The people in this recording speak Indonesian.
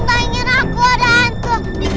tanya aku ada hantu